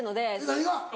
何が？